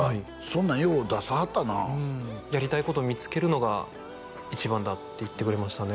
そんなんよう出さはったな「やりたいこと見つけるのが一番だ」って言ってくれましたね